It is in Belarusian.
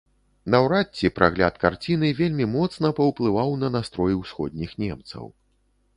Наўрад ці прагляд карціны вельмі моцна паўплываў на настрой усходніх немцаў.